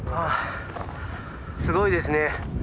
すごいですね。